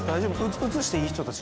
映していい人たち？